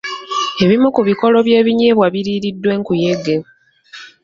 Ebimu ku bikolo by'ebinyeebwa biriiriddwa enkuyege.